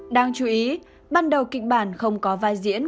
đáng chú ý ban đầu kịch bản không có vai diễn